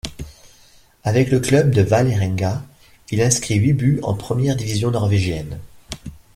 Avec le club de Vålerenga, il inscrit huit buts en première division norvégienne.